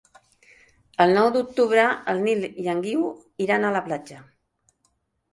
El nou d'octubre en Nil i en Guiu iran a la platja.